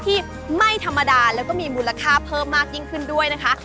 ที่ไม่ธรรมดาแล้วก็มีมูลค่าเพิ่มมากยิ่งขึ้นด้วยนะคะ